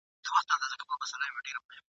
انګرېزانو ماته خوړلې وه.